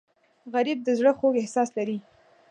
غریب د زړه خوږ احساس لري